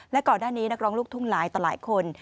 และก่อนหน้านี้นักร้องลูกทุ่งหลายต่อหลายคน